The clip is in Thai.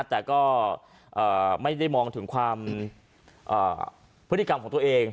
แต่ก็ไม่ได้มองถึงความพฤติกรรมของตัวเอง